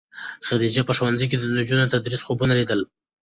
خدیجې په ښوونځي کې د نجونو د تدریس خوبونه لیدل.